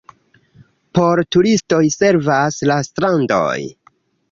Por turistoj servas la strandoj.